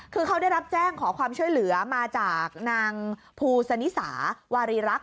คือเขาได้รับแจ้งขอความช่วยเหลือมาจากนางภูสนิสาวารีรักษ